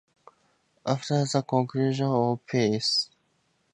After the conclusion of peace.